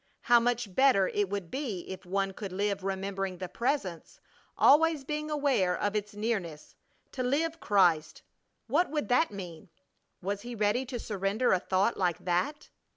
How much better it would be if one could live remembering the Presence, always being aware of its nearness! To live Christ! What would that mean? Was he ready to surrender a thought like that?